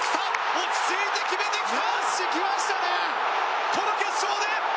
落ち着いて決めてきた！